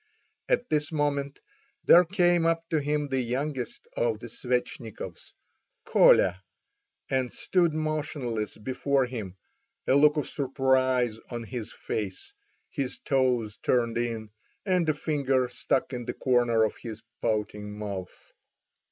At this moment there came up to him the youngest of the Svetchnikovs, Kolya, and stood motionless before him, a look of surprise on his face, his toes turned in, and a finger stuck in the corner of his pouting mouth.